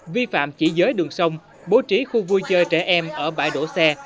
vi phạm chỉ giới đường sông bố trí khu vui chơi trẻ em ở bãi đổ xe